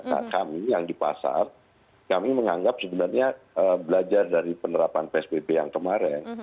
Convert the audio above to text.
nah kami yang di pasar kami menganggap sebenarnya belajar dari penerapan psbb yang kemarin